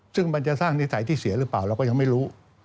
ซึ่งมันจะสร้างนิสัยที่เสียหรือเปล่าเราก็ยังไม่รู้